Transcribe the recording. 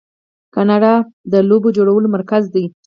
کاناډا د لوبو جوړولو مرکز دی.